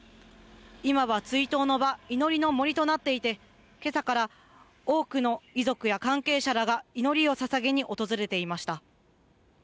今は追悼の場、祈りの杜となっていて、今朝から多くの遺族や関係者らが祈りを捧げに訪れていました。